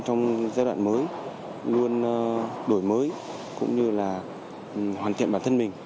trong giai đoạn mới luôn đổi mới cũng như là hoàn thiện bản thân mình